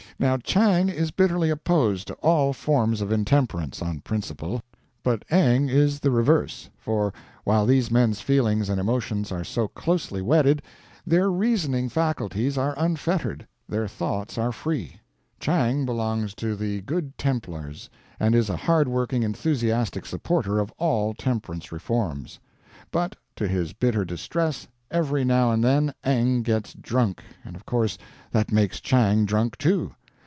Now Chang is bitterly opposed to all forms of intemperance, on principle; but Eng is the reverse for, while these men's feelings and emotions are so closely wedded, their reasoning faculties are unfettered; their thoughts are free. Chang belongs to the Good Templars, and is a hard working, enthusiastic supporter of all temperance reforms. But, to his bitter distress, every now and then Eng gets drunk, and, of course, that makes Chang drunk too.